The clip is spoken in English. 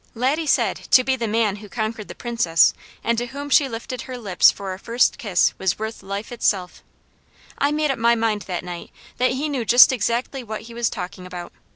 Laddie said, to be the man who conquered the Princess and to whom she lifted her lips for a first kiss was worth life itself. I made up my mind that night that he knew just exactly what he was talking about.